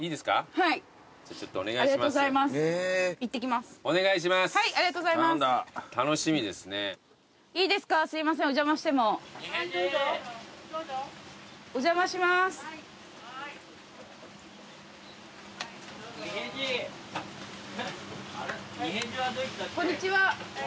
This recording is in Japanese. はいこんにちは。